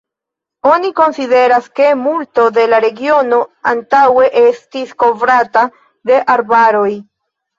Oni konsideras ke multo de la regiono antaŭe estis kovrata de arbaroj.